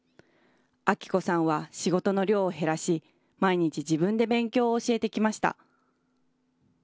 明子さんは仕事の量を減らし、毎日、自分で勉強を教えてきました。